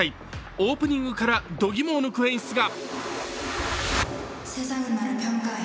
オープニングからどぎもを抜く演出が。